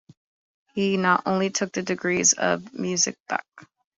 He not only took the degrees of Mus.Bac.